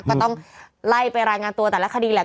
ก็ต้องไล่ไปรายงานตัวแต่ละคดีแหละ